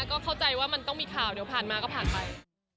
ก็เข้าใจว่ามันต้องมีข่าวเดี๋ยวผ่านมาก็ผ่านไป